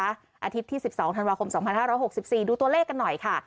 อาทิตย์ที่๑๒ธันวาคม๒๕๖๔ดูตัวเลขกันหน่อยค่ะ